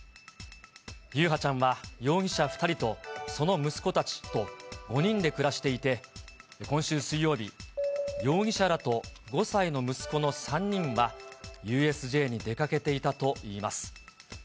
優陽ちゃんは容疑者２人とその息子たちと５人で暮らしていて、今週水曜日、容疑者らと５歳の息子の３人は、ＵＳＪに出かけていたといいます。